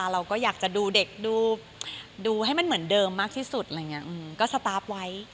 เราก็อยากจะดูเด็กดูให้มันเหมือนเดิมมากที่สุดอะไรอย่างนี้ก็สตาร์ฟไว้